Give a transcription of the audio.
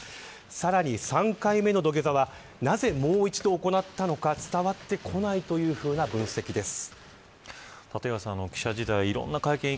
さらに３回目の土下座はなぜもう一度行ったのか伝わってこないというふうな分析です。